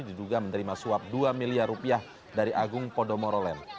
diduga menerima suap dua miliar rupiah dari agung podomoro lem